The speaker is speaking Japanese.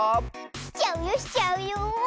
しちゃうよしちゃうよ！